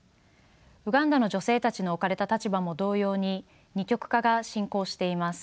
ウガンダの女性たちの置かれた立場も同様に二極化が進行しています。